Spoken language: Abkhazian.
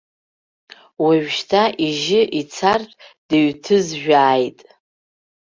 Уажәшьҭа ижьы ицартә дыҩҭызжәааит.